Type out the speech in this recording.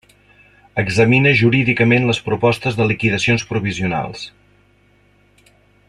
Examina jurídicament les propostes de liquidacions provisionals.